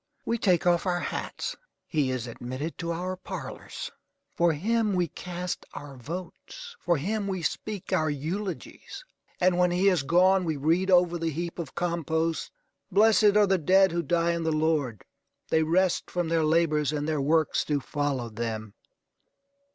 We take off our hats. He is admitted to our parlors. For him we cast our votes. For him we speak our eulogies. And when he has gone we read over the heap of compost: "Blessed are the dead who die in the Lord. They rest from their labors and their works do follow them."